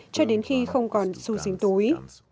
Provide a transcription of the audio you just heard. cho đến khi không còn dù dính túi